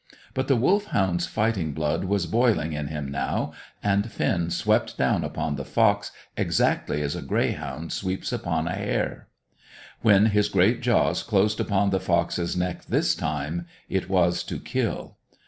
But the Wolfhound's fighting blood was boiling in him now, and Finn swept down upon the fox, exactly as a greyhound sweeps upon a hare. When his great jaws closed upon the fox's neck this time, it was to kill.